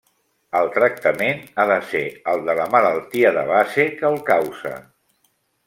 El tractament ha de ser el de la malaltia de base que el causa.